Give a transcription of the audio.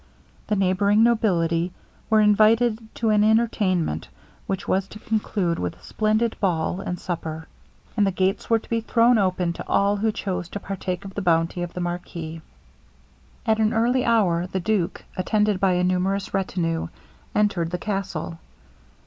The neighbouring nobility were invited to an entertainment which was to conclude with a splendid ball and supper, and the gates were to be thrown open to all who chose to partake of the bounty of the marquis. At an early hour the duke, attended by a numerous retinue, entered the castle.